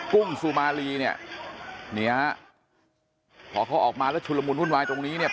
กุ้งสุมารีเนี่ยนี่ฮะพอเขาออกมาแล้วชุลมุนวุ่นวายตรงนี้เนี่ย